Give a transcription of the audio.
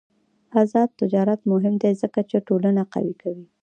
آزاد تجارت مهم دی ځکه چې ټولنه قوي کوي.